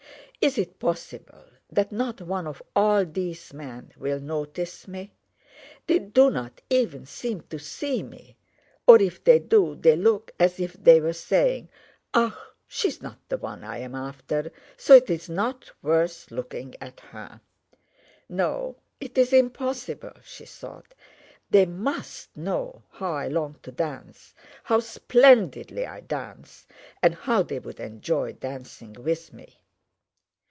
Is it possible that not one of all these men will notice me? They do not even seem to see me, or if they do they look as if they were saying, 'Ah, she's not the one I'm after, so it's not worth looking at her!' No, it's impossible," she thought. "They must know how I long to dance, how splendidly I dance, and how they would enjoy dancing with me."